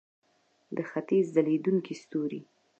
د ختیځ ځلیدونکی ستوری.